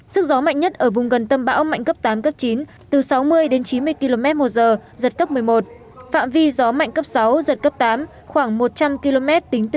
sức gió mạnh nhất ở vùng gần tâm bão mạnh cấp tám cấp chín từ sáu mươi đến chín mươi km một giờ giật cấp một mươi một phạm vi gió mạnh cấp sáu giật cấp tám khoảng một trăm linh km